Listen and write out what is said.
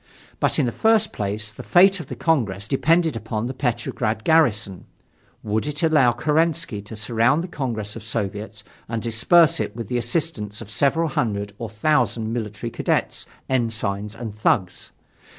But in the first place, the fate of the Congress depended upon the Petrograd garrison: would it allow Kerensky to surround the Congress of Soviets and disperse it with the assistance of several hundred or thousand military cadets, ensigns and thugs?